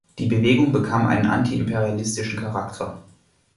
Die Bewegung bekam einen antiimperialistischen Charakter.